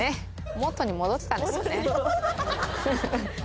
もとに戻ってたんですよね。